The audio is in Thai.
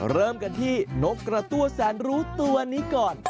เริ่มกันที่นกกระตั้วแสนรู้ตัวนี้ก่อน